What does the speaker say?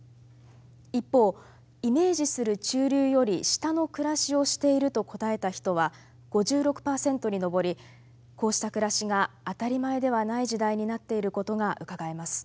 一方「イメージする中流より下の暮らしをしている」と答えた人は５６％に上りこうした暮らしが当たり前ではない時代になっていることがうかがえます。